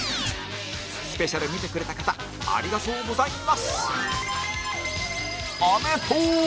スペシャル見てくれた方ありがとうございます